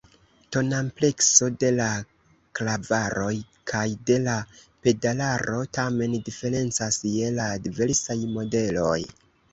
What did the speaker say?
Tonamplekso de la klavaroj kaj de la pedalaro tamen diferencas je la diversaj modeloj.